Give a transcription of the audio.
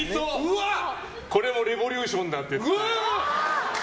これがレボリューションだ！って言って。